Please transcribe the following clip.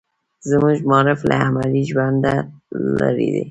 زموږ معارف له عملي ژونده لرې دی.